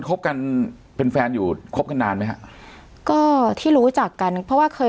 คบกันเป็นแฟนอยู่คบกันนานไหมฮะก็ที่รู้จักกันเพราะว่าเคย